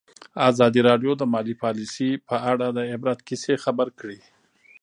ازادي راډیو د مالي پالیسي په اړه د عبرت کیسې خبر کړي.